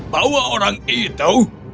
bahwa orang itu